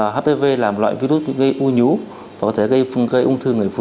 hpv là một loại virus gây u nhú và có thể gây ung thư người phụ nữ